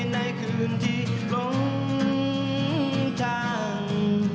ในคำคืนที่หลงทาง